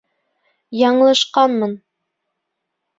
Яңылышҡанмын.